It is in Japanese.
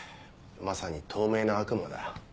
まさに透明な悪魔だ。